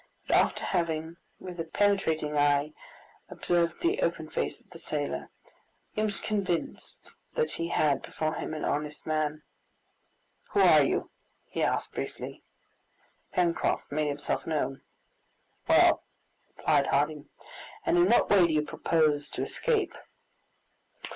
But after having with a penetrating eye observed the open face of the sailor, he was convinced that he had before him an honest man. "Who are you?" he asked briefly. Pencroft made himself known. "Well," replied Harding, "and in what way do you propose to escape?"